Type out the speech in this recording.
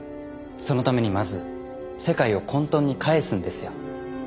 そのためにまず世界を混沌に返すんですよ。